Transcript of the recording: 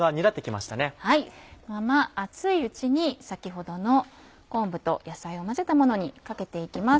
熱いうちに先ほどの昆布と野菜を混ぜたものにかけて行きます。